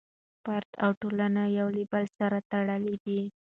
فرد او ټولنه یو له بل سره تړلي دي.